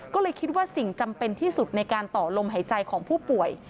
ก็เลยคิดว่าสิ่งจำเป็นที่สุดในการต่อลมหายใจของผู้ป่วย